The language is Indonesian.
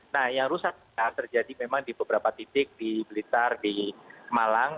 nah yang rusak terjadi memang di beberapa titik di blitar di malang